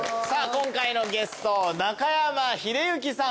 今回のゲスト中山秀征さん